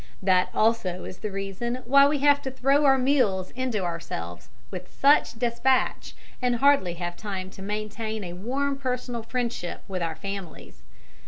That also is the reason why we have to throw our meals into ourselves with such despatch, and hardly have time to maintain a warm personal friendship with our families.